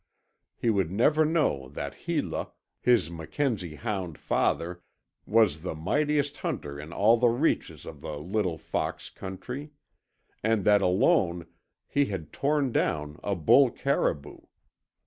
He would never know that Hela, his Mackenzie hound father, was the mightiest hunter in all the reaches of the Little Fox country, and that alone he had torn down a bull caribou.